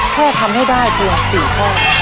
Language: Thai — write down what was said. แค่ทำให้ได้เพียง๔ข้อ